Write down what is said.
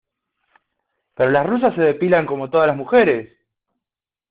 pero las rusas se depilan como todas las mujeres.